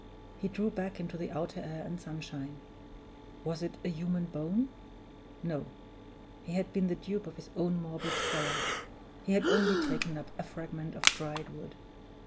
He drew back into the outer air and sunshine. Was it a human bone? No! he had been the dupe of his own morbid terror he had only taken up a fragment of dried wood!